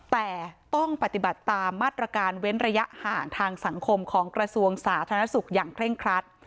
แต่ต้องปฏิบัติตามมาตรการเว้นระยะห่างทางสังคมของกระทรวงสาธารณสุขอย่างเคร่งครัด